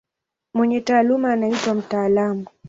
Mwenye taaluma anaitwa mtaalamu.